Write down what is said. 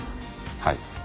はい。